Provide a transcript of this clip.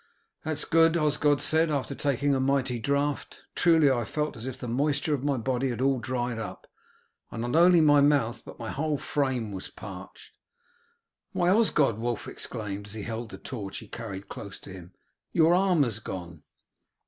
"That is good," Osgod said, after taking a mighty draught. "Truly I felt as if the moisture of my body had all dried up, and not only my mouth but my whole frame was parched." "Why, Osgod," Wulf exclaimed, as he held the torch he carried close to him, "your arm has gone!"